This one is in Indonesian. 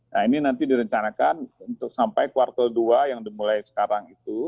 nah ini nanti direncanakan untuk sampai kuartal dua yang dimulai sekarang itu